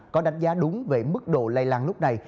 có đánh giá đúng về mức độ lây lan lúc này